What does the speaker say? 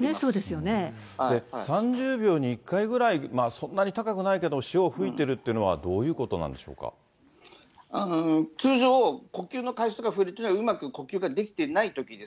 ３０秒に１回くらい、そんなに高くないけど潮を吹いてるというのはどういうことなんで通常、呼吸の回数が増えるというのは、うまく呼吸ができてないときです。